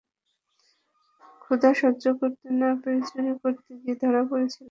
ক্ষুধা সহ্য করতে না পেরে চুরি করতে গিয়ে ধরা পড়েছিলাম।